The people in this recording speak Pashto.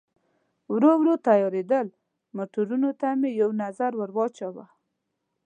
ورو ورو تیارېدل، موټرونو ته مې یو نظر ور واچاوه.